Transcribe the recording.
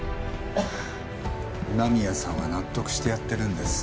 今宮さんは納得してやってるんです。